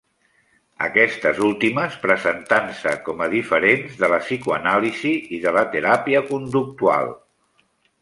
Aquestes últimes presentant-se com a diferents de la psicoanàlisi i de la teràpia conductual.